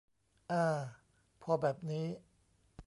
อา พอแบบนี้